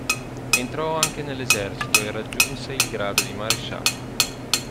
Entrò anche nell'esercito e raggiunse il grado di maresciallo.